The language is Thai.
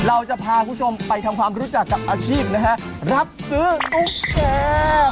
เราจะพาคุณผู้ชมไปทำความรู้จักกับอาชีพนะฮะรับซื้อตุ๊กแก่